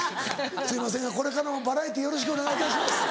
すいませんがこれからもバラエティーよろしくお願いいたします。